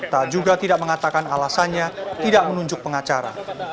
tak juga tidak mengatakan alasannya tidak menunjuk pengacara